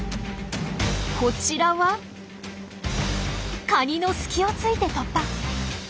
こちらはカニの隙をついて突破。